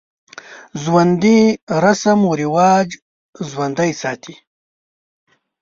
ژوندي رسم و رواج ژوندی ساتي